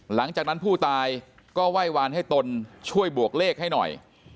หลังจากนั้นผู้ตายก็ไหว้วานให้ตนช่วยบวกเลขให้หน่อย